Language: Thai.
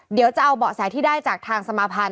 เดี๋ยวจะเอาบ่อแสนที่ได้จากทางสมาธาร